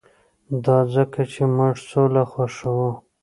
دا ځکه چې موږ سوله خوښوو